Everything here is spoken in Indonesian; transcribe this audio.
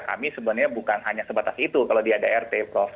kami sebenarnya bukan hanya sebatas itu kalau di adart prof